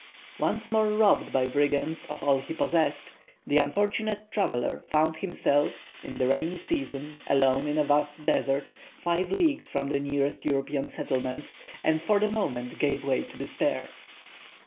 Once more robbed by brigands of all he possessed, the unfortunate traveller found himself, in the rainy season, alone in a vast desert, five leagues from the nearest European settlement, and for the moment gave way to despair.